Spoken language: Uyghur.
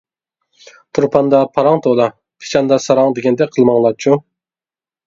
تۇرپاندا پاراڭ تولا، پىچاندا ساراڭ، دېگەندەك قىلماڭلارچۇ!